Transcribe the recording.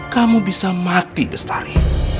kamu bisa mati bestari